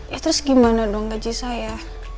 ya terus gimana dong gaji saya